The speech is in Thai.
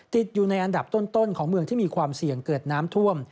ติดอยู่ในอันดับต้นของเมืองที่มีความเสี่ยงเกิดน้ำท่วม